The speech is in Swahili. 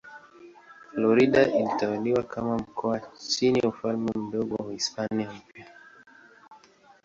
Florida ilitawaliwa kama mkoa chini ya Ufalme Mdogo wa Hispania Mpya.